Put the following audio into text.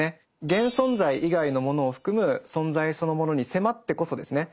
現存在以外のものを含む存在そのものに迫ってこそですね